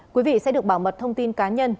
quý vị sẽ được bảo mật thông tin cá nhân